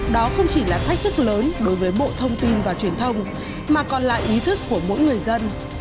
đó không chỉ là thách thức lớn đối với bộ thông tin và truyền thông mà còn là ý thức của mỗi người dân